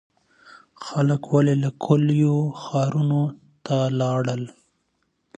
خلګ ولي له کلیو ښارونو ته لاړل؟